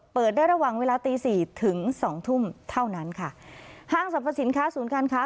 เปิดได้ระหว่างเวลาตีสี่ถึงสองทุ่มเท่านั้นค่ะห้างสรรพสินค้าศูนย์การค้า